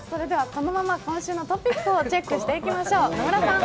このまま今週のトピックをチェックしていきましょう。